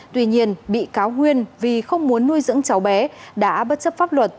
tuy nhiên bị cáo nguyên vì không muốn nuôi dưỡng cháu bé đã bất chấp pháp luật